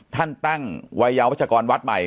ท่านตั้งวัยยาวัชกรวัดใหม่